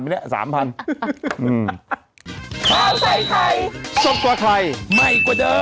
โปรดติดตามตอนต่อไป